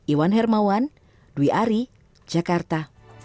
iwan hermawan dwi ari jakarta